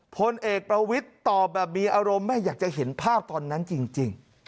พลเอกประวิทย์ตอบแบบมีอารมณ์แม่อยากจะเห็นภาพตอนนั้นจริง